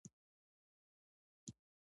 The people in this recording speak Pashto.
ایا ستاسو سرچینه به موثقه وي؟